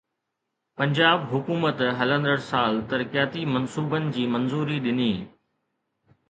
پنجاب حڪومت هلندڙ سال ترقياتي منصوبن جي منظوري ڏني